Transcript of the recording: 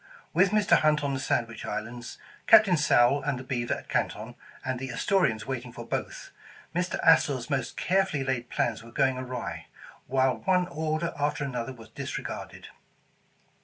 With Mr. Hunt on the Sandwich Islands, Captain Sowle and the Beaver at Canton, and the Astorians waiting for both, Mr. Astor 's most carefully laid plans were going awry, while one order after another was disregarded.